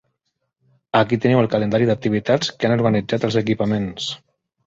Aquí teniu el calendari d'activitats que han organitzat els equipaments.